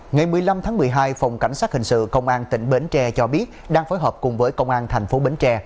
ngày một mươi năm tháng một mươi hai phòng cảnh sát hình sự công an tỉnh bến tre cho biết đang phối hợp cùng với công an thành phố bến tre